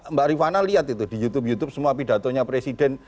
mbak rifana lihat itu di youtube youtube semua pidatonya presiden